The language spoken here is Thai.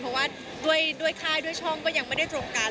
เพราะว่าด้วยค่ายด้วยช่องก็ยังไม่ได้ตรงกัน